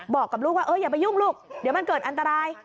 บอกกับลูกว่าอย่าไปยุ่งลูกเดี๋ยวมันเกิดอันตราย